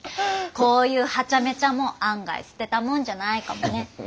こういうはちゃめちゃも案外捨てたもんじゃないかもね。